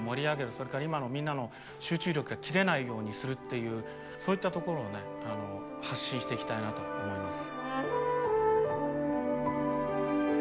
それから今のみんなの集中力が切れないようにするっていうそういったところをね発信していきたいなと思います。